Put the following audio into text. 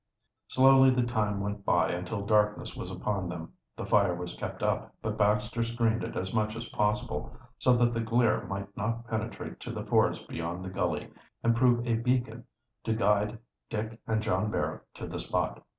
Slowly the time went by until darkness was upon them. The fire was kept up, but Baxter screened it as much as possible, so that the glare might not penetrate to the forest beyond the gully and prove a beacon to guide Dick and John Barrow to the spot.